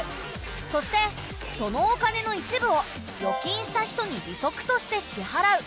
そしてそのお金の一部を預金した人に利息として支払う。